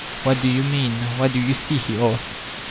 ''What do you mean? What do you see?" he adced.